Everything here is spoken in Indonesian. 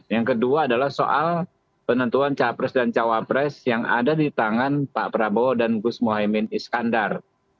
yang kedua adalah soal penentuan capres dan cawapres yang ada di tangan pak prabowo dan gus mohaimin iskandar